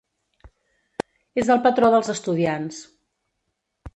És el patró dels estudiants.